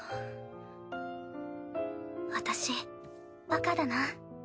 私バカだな。